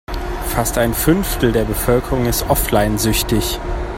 Fast ein Fünftel der Bevölkerung ist offline-süchtig.